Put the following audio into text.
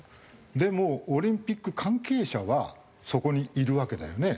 でもオリンピック関係者はそこにいるわけだよね？